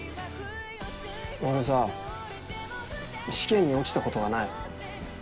俺さ試験に落ちたことはない。